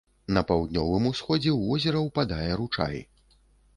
На паўднёвым усходзе ў возера ўпадае ручай.